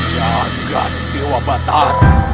jagad dewa batar